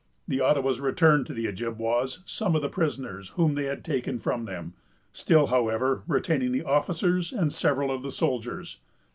The Ottawas returned to the Ojibwas some of the prisoners whom they had taken from them; still, however, retaining the officers and several of the soldiers.